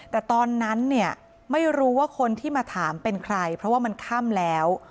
แต่ตอนนั้นเนี่ยไม่รู้ว่าคนที่มาถามเป็นใครเพราะว่ามันค่ำแล้ว